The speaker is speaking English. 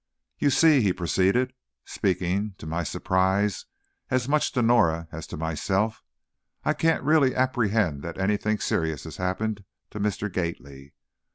"You see," he proceeded, speaking, to my surprise, as much to Norah as to myself, "I can't really apprehend that anything serious has happened to Mr. Gately.